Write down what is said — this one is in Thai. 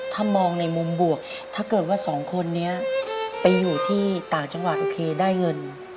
ถ้ามองในมุมบวกถ้าเกิดว่าสองคนนี้ไปอยู่ที่ต่างจังหวัดโอเคได้เงิน